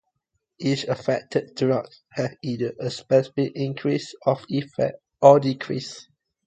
Each affected drug has either a specific increase of effect or decrease.